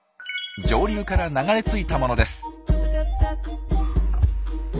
上流から流れ着いたものです。